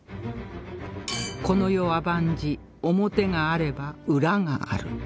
この世は万事表があれば裏がある